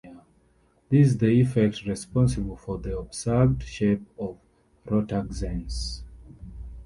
This is the effect responsible for the observed shape of rotaxanes.